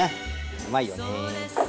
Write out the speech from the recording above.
うまいよね。